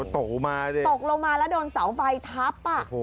ตกลงมาแล้วโดนเสาไฟทับ